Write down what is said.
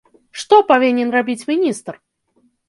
Што павінен рабіць міністр?